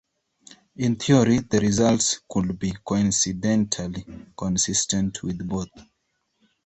In theory, the results could be "coincidentally" consistent with both.